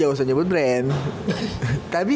jangan usah nyebut brand